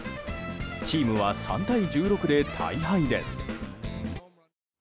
チームは３対１６で大敗です。